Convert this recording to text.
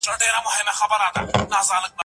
په شته من پوري دا خپله دنیا اور وو